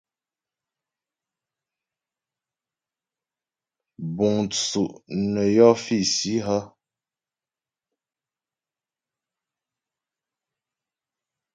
Búŋ tsú' nə́ yɔ́ físi hə́ ?